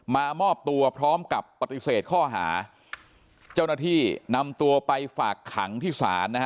มามอบตัวพร้อมกับปฏิเสธข้อหาเจ้าหน้าที่นำตัวไปฝากขังที่ศาลนะฮะ